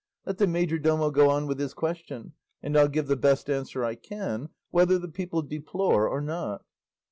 Let the majordomo go on with his question, and I'll give the best answer I can, whether the people deplore or not."